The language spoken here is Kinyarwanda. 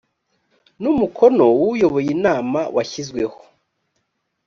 n umukono w uyoboye inama washyizweho